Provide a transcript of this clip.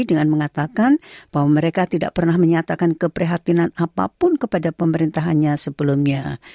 dengan mengatakan bahwa mereka tidak pernah menyatakan keprihatinan apapun kepada pemerintahannya sebelumnya